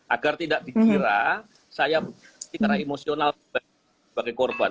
agar tidak dikira saya secara emosional sebagai korban